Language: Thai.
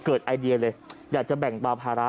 ไอเดียเลยอยากจะแบ่งเบาภาระ